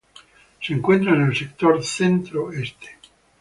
Se encuentra en el sector centro-este.